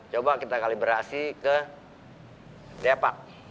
coba kita kalibrasi ke depak